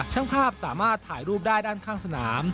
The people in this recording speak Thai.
ช่างภาพสามารถถ่ายรูปได้ด้านข้างสนาม